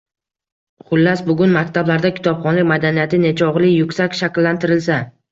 Xullas, bugun maktablarda kitobxonlik madaniyati nechog‘li yuksak shakllantirilsa